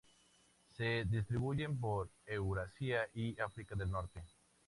Se distribuyen por Eurasia y África del Norte.